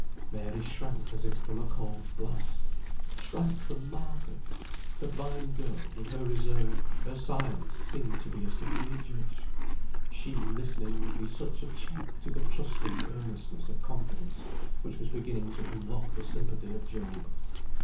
Mary shrank as if from a cold blast shrank from Margaret! The blind girl, with her reserve, her silence, seemed to be a severe judge; she, listening, would be such a check to the trusting earnestness of confidence, which was beginning to unlock the sympathy of Job.